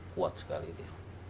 kuat sekali dia